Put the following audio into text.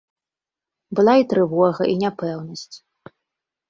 Была і трывога і няпэўнасць.